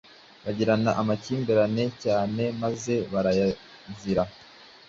bagirana amakimbirane cyanemaze arayazira;